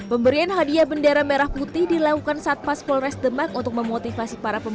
pemberian hadiah bendera merah putih dilakukan satpas polres demak untuk memotivasi para pemohon sim